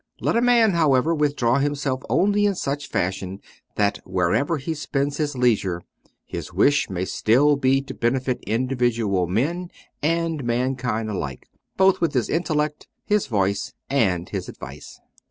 Let a man, however, withdraw himself only in such a fashion that wherever he spends his leisure his wish may still be to benefit individual men and mankind alike, both with his intellect, his voice, and his advice.